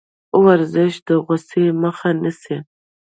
ورزش د غوسې مخه نیسي.